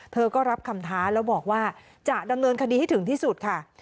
เธอก็รับคำท้าแล้วบอกว่าจะดำเนินคดีให้ถึงที่สุดค่ะ